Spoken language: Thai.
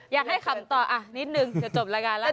อยากให้คำตอบนิดนึงจะจบรายการแล้ว